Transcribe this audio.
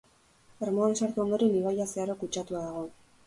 Ermuan sartu ondoren ibaia zeharo kutsatua dago.